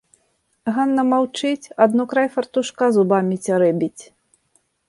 Ганна маўчыць, адно край фартушка зубамі цярэбіць.